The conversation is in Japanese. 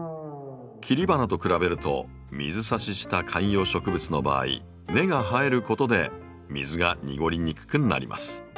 切り花と比べると水挿しした観葉植物の場合根が生えることで水が濁りにくくなります。